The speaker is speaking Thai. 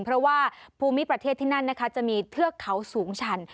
เพราะว่าภูมิประเทศที่นั่นนะคะจะมีเทือกเขาสูงชัน